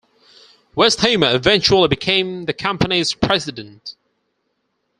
Westheimer eventually became the company's president.